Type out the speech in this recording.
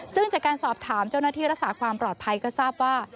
ซึ่งจากการสอบถามเจ้าหน้าที่รักษาความปลอดภัยก็ทราบว่า